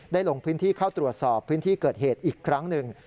ลงพื้นที่เข้าตรวจสอบพื้นที่เกิดเหตุอีกครั้งหนึ่ง